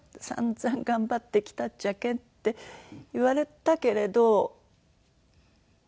「散々頑張ってきたっちゃけん」って言われたけれど。